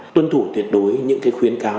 tuân thủ tuyệt đối những cái khuyến cáo